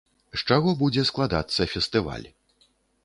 З чаго будзе складацца фестываль.